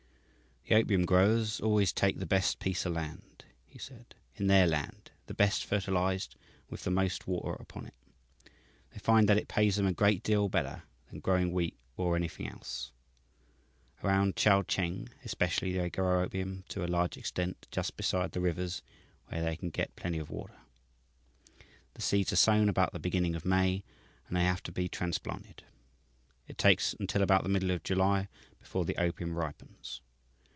"The opium growers always take the best piece of land," he said, "in their land the best fertilized, and with the most water upon it. They find that it pays them a great deal better than growing wheat or anything else. Around Chao Cheng, especially, they grow opium to a large extent just beside the rivers, where they can get plenty of water. The seeds are sown about the beginning of May, and they have to be transplanted. It takes until about the middle of July before the opium ripens.